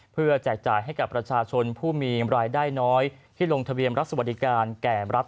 เพื่อแจกจ่ายให้กับประชาชนผู้มีรายได้น้อยที่ลงทะเบียนรับสวัสดิการแก่รัฐ